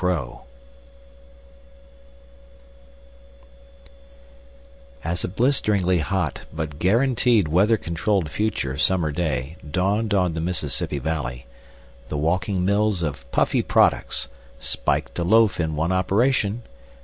_ Illustrated by WOOD As a blisteringly hot but guaranteed weather controlled future summer day dawned on the Mississippi Valley, the walking mills of Puffy Products ("Spike to Loaf in One Operation!")